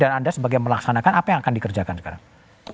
dan anda sebagai melaksanakan apa yang akan dikerjakan sekarang